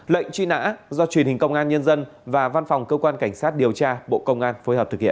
lệnh truy nã do truyền hình công an nhân dân và văn phòng cơ quan cảnh sát điều tra bộ công an phối hợp thực hiện